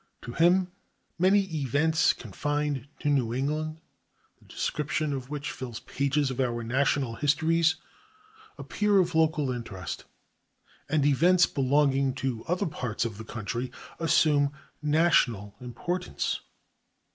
To him many events confined to New England, the description of which fills pages of our national histories, appear of local interest; and events belonging to other parts of the country assume national importance.